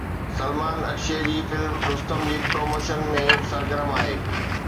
سلمان اڪشي جي فلم رستم جي پروموشن ۾ سرگرم آهي